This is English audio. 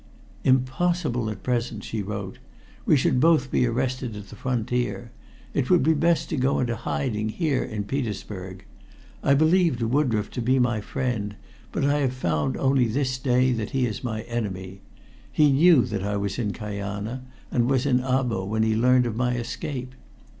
"Impossible at present," she wrote. "We should both be arrested at the frontier. It would be best to go into hiding here in Petersburg. I believed Woodroffe to be my friend, but I have found only this day that he is my enemy. He knew that I was in Kajana, and was in Abo when he learned of my escape.